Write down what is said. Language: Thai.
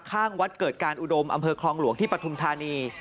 ข้างวัดเกิดการอุดมอำเภอคลองหลวงที่ปฐุมธานี